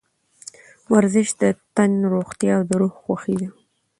ورزش د تن روغتیا او د روح خوښي ده.